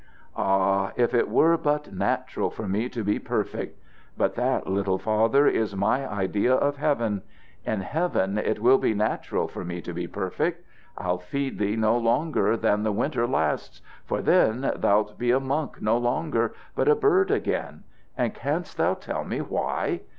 Ah, if it were but natural for me to be perfect! But that, little Father, is my idea of heaven. In heaven it will be natural for me to be perfect. I'll feed thee no longer than the winter lasts, for then thou'lt be a monk no longer, but a bird again. And canst thou tell me why?